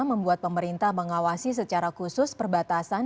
membuat pemerintah mengawasi secara khusus perbatasan